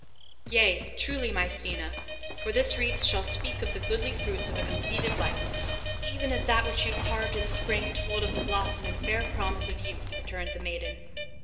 "Yea, truly, my Stina, for this wreath shall speak of the goodly fruits of a completed life." "Even as that which you carved in spring told of the blossom and fair promise of youth," returned the maiden.